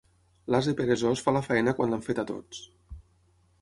L'ase peresós fa la feina quan l'han feta tots.